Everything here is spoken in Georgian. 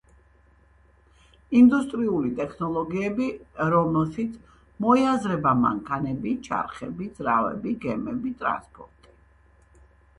ინდუსტრიული ტექნოლოგიები, რომელშიც მოიაზრება მანქანები, ჩარხები, ძრავები, გემები, ტრანსპორტი.